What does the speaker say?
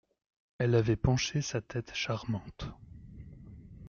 Elle avait penché sa tête charmante.